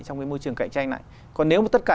trong cái môi trường cạnh tranh này còn nếu mà tất cả